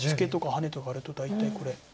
ハネとかあると大体これ。